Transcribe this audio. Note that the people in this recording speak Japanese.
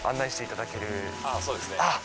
そうですね。